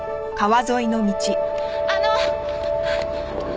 あの！